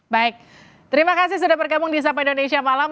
baik terima kasih sudah bergabung di sapa indonesia malam